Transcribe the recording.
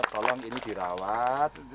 tolong ini dirawat